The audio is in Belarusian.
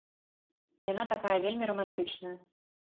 Яна такая вельмі рамантычная.